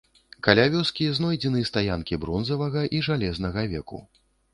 Каля вёскі знойдзены стаянкі бронзавага і жалезнага веку.